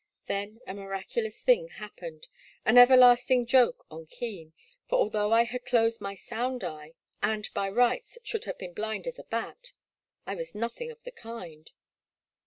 Then a miraculous thing happened, an everlasting joke on Keen, for, although I had closed my sound eye, and, by rights, should have been blind as a bat, I was nothing of the kind.